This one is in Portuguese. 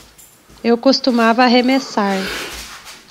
Eu costumava arremessar.